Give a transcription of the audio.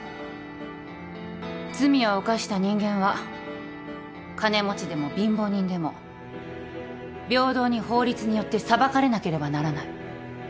罪を犯した人間は金持ちでも貧乏人でも平等に法律によって裁かれなければならない。